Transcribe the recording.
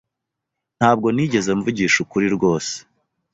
Ntabwo nigeze mvugisha ukuri rwose.